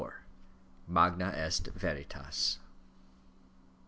MAGNA EST VERITAS.